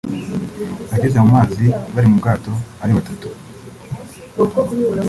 ageze mu mazi bari mu bwato ari batatu